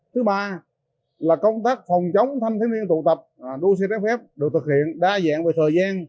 thứ ba là công tác phòng chống thanh thiếu niên tụ tập đua xe trái phép được thực hiện đa dạng về thời gian